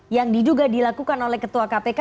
yang diduga dilakukan oleh ketua kpk